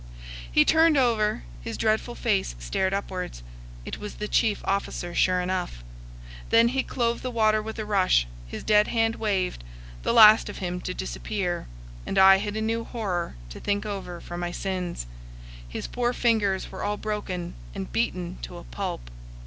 He turned over; his dreadful face stared upwards; it was the chief officer, sure enough. Then he clove the water with a rush, his dead hand waved, the last of him to disappear; and I had a new horror to think over for my sins. His poor fingers were all broken and beaten to a pulp.